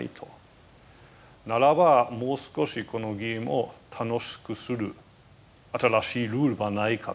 ならばもう少しこのゲームを楽しくする新しいルールはないかと。